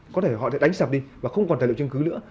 có thể họ sẽ đánh sập đi và không còn tài liệu chứng cứ nữa